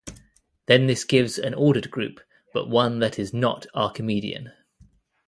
Then this gives an ordered group, but one that is not Archimedean.